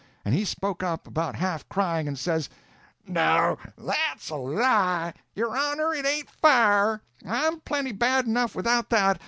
And he spoke up, about half crying, and says: "Now that's a lie. Your honor, it ain't fair; I'm plenty bad enough without that.